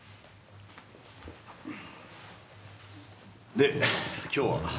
で今日は？